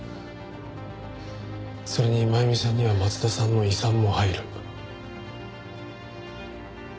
それに真弓さんには松田さんの遺産も入る。